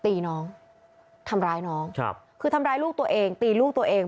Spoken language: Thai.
ตีน้องทำร้ายน้องครับคือทำร้ายลูกตัวเองตีลูกตัวเอง